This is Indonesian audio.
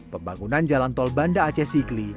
pembangunan jalan tol banda aceh sigli